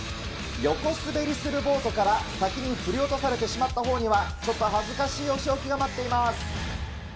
横滑りするボートから先に振り落とされてしまった方には、ちょっと恥ずかしいお仕置きが待っています。